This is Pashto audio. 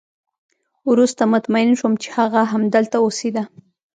وروسته مطمئن شوم چې هغه همدلته اوسېده